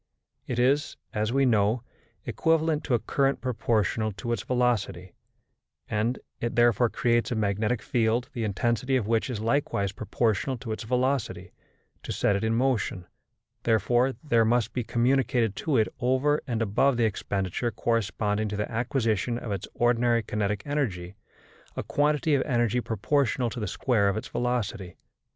It is, as we know, equivalent to a current proportional to its velocity, and it therefore creates a magnetic field the intensity of which is likewise proportional to its velocity: to set it in motion, therefore, there must be communicated to it over and above the expenditure corresponding to the acquisition of its ordinary kinetic energy, a quantity of energy proportional to the square of its velocity.